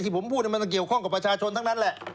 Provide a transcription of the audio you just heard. ผมพูดมันต้องเกี่ยวข้องกับประชาชนทั้งนั้นแหละ